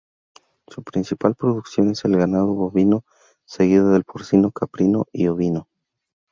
Su principal producción es el ganado bovino, seguido del porcino, caprino y ovino.